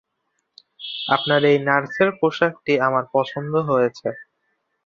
আপনার এই নার্সের পোশাক টি আমার পছন্দ হয়েছে।